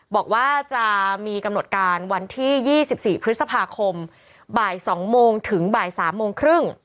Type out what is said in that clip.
บอกว่าจะมีกำหนดการวันที่๒๔พฤษภาคมบ่าย๒โมงถึงบ่าย๓โมงครึ่ง